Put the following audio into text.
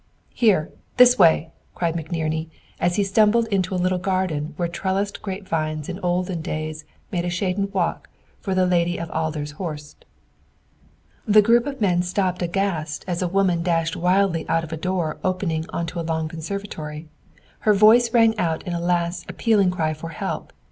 "Here; this way!" cried McNerney, as he stumbled into a little garden where trellised grapevines in olden days made a shaded walk for the Lady of Adler's Horst. The group of men stopped aghast as a woman dashed wildly out of a door opening into a long conservatory. Her voice rang out in a last, appealing cry for help.